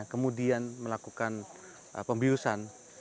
kemudian melakukan pembiusan